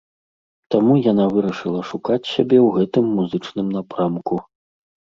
Таму яна вырашыла шукаць сябе ў гэтым музычным напрамку.